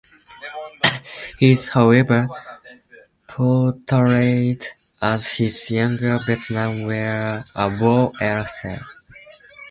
He is however portrayed as his younger, Vietnam War-era self.